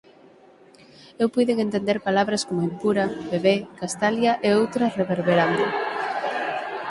Eu puiden entender palabras como “impura”, “bebé”, “Castalia” e outras reverberando.